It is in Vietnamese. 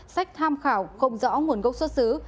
sách tham khảo không rõ nguồn gốc xuất xứ